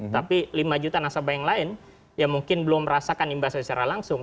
tapi lima juta nasabah yang lain ya mungkin belum merasakan imbasnya secara langsung